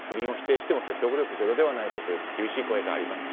毎回同じような言い訳不倫を否定しても説得力ゼロではないかという厳しい声があります。